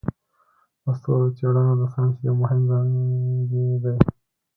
د ستورو څیړنه د ساینس یو مهم څانګی دی.